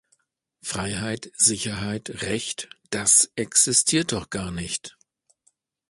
Freiheit, Sicherheit, Recht das existiert doch gar nicht!